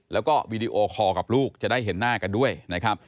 แล้วก็วีดีโอคอร์กับลูกจะได้เห็นหน้ากันด้วยนะครับ